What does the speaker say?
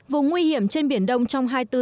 vùng nguy hiểm trên biển đông trong hai mươi bốn h